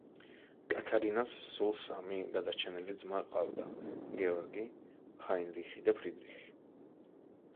კათარინას სულ სამი გადარჩენილი ძმა ჰყავდა: გეორგი, ჰაინრიხი და ფრიდრიხი.